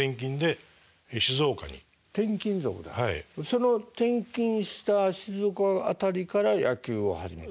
その転勤した静岡辺りから野球を始めた？